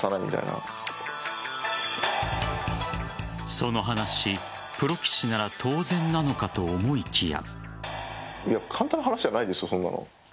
その話、プロ棋士なら当然なのかと思いきや。